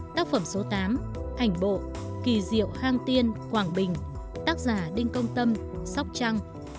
tác phẩm số tám ảnh bộ kỳ diệu hang tiên quảng bình tác giả đinh công tâm sóc trăng